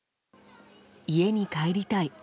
家に帰りたい。